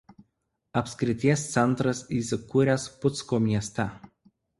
Apskrities centras įsikūręs Pucko mieste.